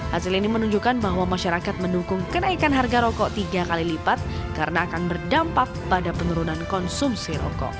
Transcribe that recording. hasil ini menunjukkan bahwa masyarakat mendukung kenaikan harga rokok tiga kali lipat karena akan berdampak pada penurunan konsumsi rokok